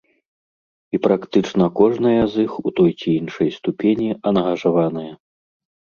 І практычна кожная з іх у той ці іншай ступені ангажаваная.